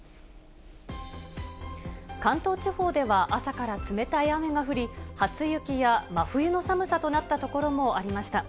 関東地方では朝から冷たい雨が降り、初雪や真冬の寒さとなった所もありました。